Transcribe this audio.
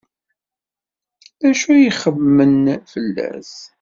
D acu ay ixemmem fell-as?